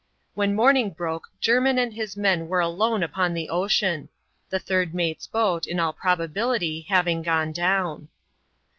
When morning broke, Jermin and his men were alone upon the ocean ; the third mate's boat, in all proba bility, having gone down.